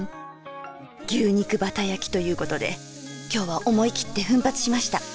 「牛肉バタ焼き」ということで今日は思いきって奮発しました。